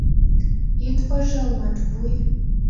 Ит вожыл, Матвуй!